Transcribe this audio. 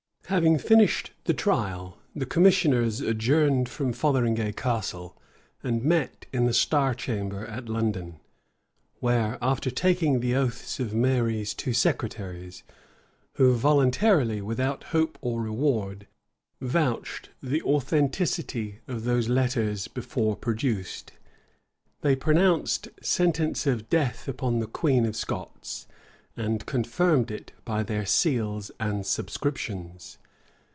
Having finished the trial, the commissioners, adjourned from Fotheringay Castle, and met in the star chamber at London, where, after taking the oaths of Mary's two secretaries, who voluntarily, without hope or reward, vouched the authenticity of those letters before produced, they pronounced sentence of death upon the queen of Scots, and confirmed it by their seals and subscriptions.